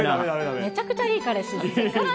めちゃくちゃいい彼氏ですね。